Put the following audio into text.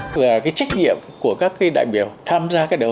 cái trách nhiệm của các đại biểu tham gia các đại hội